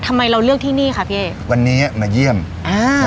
เราเลือกที่นี่ค่ะพี่วันนี้มาเยี่ยมอ่า